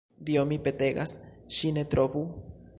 Dio, mi petegas, ŝi ne trovu!